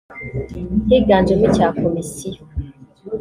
higanjemo icya Komisiyo